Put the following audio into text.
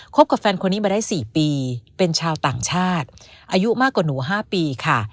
กับแฟนคนนี้มาได้๔ปีเป็นชาวต่างชาติอายุมากกว่าหนู๕ปีค่ะ